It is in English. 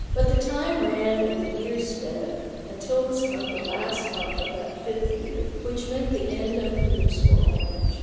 But the time ran, and the years sped, until was come the last month of that fifth year, which meant the end of years for Orange.